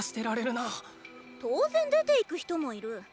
当然出て行く人もいる。